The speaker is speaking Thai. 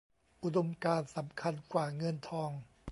อุดมการณ์สำคัญกว่าเงินทอง